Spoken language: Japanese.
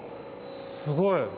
すごい。